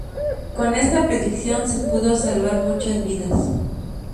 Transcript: Con esta predicción se pudo salvar muchas vidas..